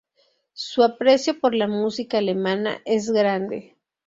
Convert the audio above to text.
Su aprecio por la música alemana es grande.